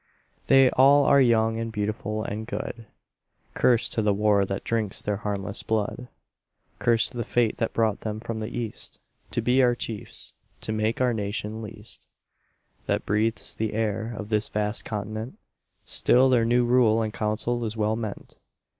They all are young and beautiful and good; Curse to the war that drinks their harmless blood. Curse to the fate that brought them from the East To be our chiefs to make our nation least That breathes the air of this vast continent. Still their new rule and council is well meant.